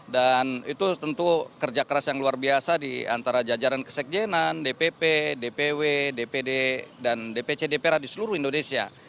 dan itu tentu kerja keras yang luar biasa di antara jajaran kesekjenan dpp dpw dpd dan dpcdpra di seluruh indonesia